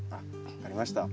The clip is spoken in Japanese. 分かりました。